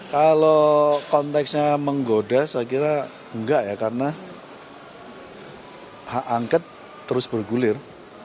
kalau konteksnya menggoda saya kira enggak ya karena hak angket terus bergulir